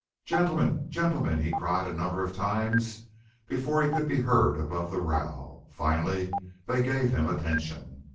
"Gentlemen! gentlemen!" he cried a number of times before he could be heard above the row. Finally they gave him attention.